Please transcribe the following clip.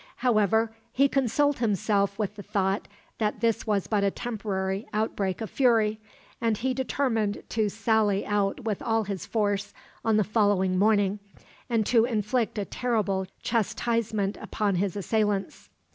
However, he consoled himself with the thought that this was but a temporary outbreak of fury; and he determined to sally out with all his force, on the following morning, and to inflict a terrible chastisement upon his assailants.